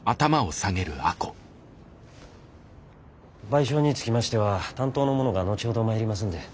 賠償につきましては担当の者が後ほど参りますんで。